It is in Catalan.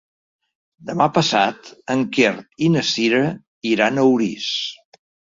Demà passat en Quer i na Sira iran a Orís.